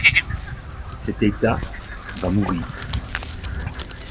Cet État va mourir.